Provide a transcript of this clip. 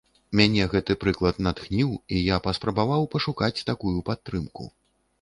Мяне гэты прыклад натхніў, і я паспрабаваў пашукаць такую падтрымку.